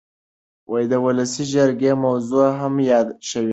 د ولسي جرګې موضوع هم یاده شوې ده.